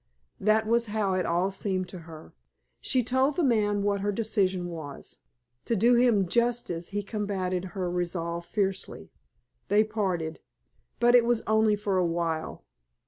That was how it all seemed to her. "She told the man what her decision was. To do him justice, he combated her resolve fiercely. They parted, but it was only for a while.